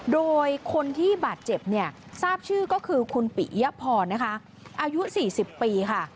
โดยคนที่บาดเจ็บเนี่ยทราบชื่อก็คือคุณปิยพรนะคะอายุ๔๐ปีค่ะ